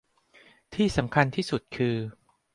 ที่สำคัญที่สุดคือ